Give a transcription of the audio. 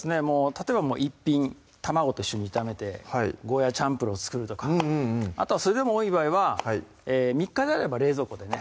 例えば１品卵と一緒に炒めてゴーヤチャンプルーを作るとかうんうんうんあとはそれでも多い場合は３日であれば冷蔵庫でね